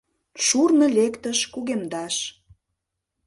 «Шурно лектыш кугемдаш